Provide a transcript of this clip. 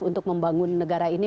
untuk membangun negara ini